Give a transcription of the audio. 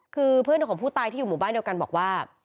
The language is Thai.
คือเพื่อนของผู้ตายที่อยู่หมู่บ้านเดียวกันบอกว่า